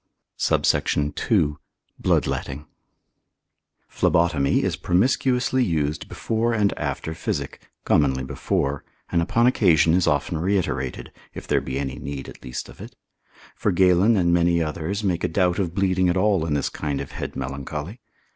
SUBSECT. II.—Bloodletting. Phlebotomy is promiscuously used before and after physic, commonly before, and upon occasion is often reiterated, if there be any need at least of it. For Galen, and many others, make a doubt of bleeding at all in this kind of head melancholy.